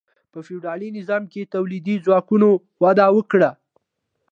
په فیوډالي نظام کې تولیدي ځواکونو وده وکړه.